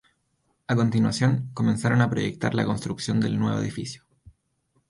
A continuación comenzaron a proyectar la construcción del nuevo edificio.